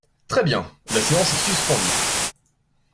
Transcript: Très bien ! La séance est suspendue.